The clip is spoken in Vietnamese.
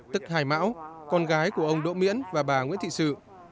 tức hải mão con gái của ông đỗ miễn và bà nguyễn thị sự